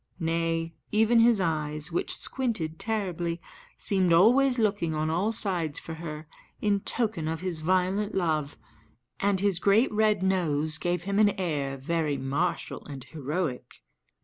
Nay, even his eyes, which squinted terribly, seemed always looking on all sides for her, in token of his violent love, and his great red nose gave him an air very martial and heroic.